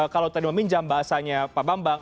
kalau tadi meminjam bahasanya pak bambang